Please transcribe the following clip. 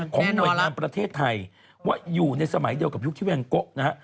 หน่วยงานประเทศไทยว่าอยู่ในสมัยเดียวกับยุคที่แวงโกะนะฮะ